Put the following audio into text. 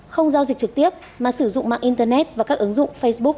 không giao dịch trực tiếp mà sử dụng mạng internet và các ứng dụng facebook